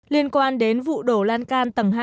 liên quan đến vụ đổ lan can tầng hai